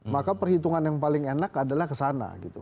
maka perhitungan yang paling enak adalah kesana gitu